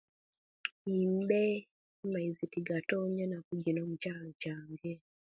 Mbe amaizi tegatonya emaku jino mukyaalo kyange